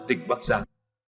tỉnh bắc giang